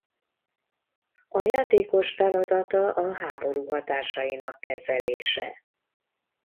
A játékos feladata a háború hatásainak kezelése.